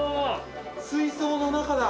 水槽の中だ。